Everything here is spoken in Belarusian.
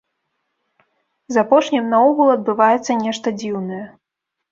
З апошнім наогул адбываецца нешта дзіўнае.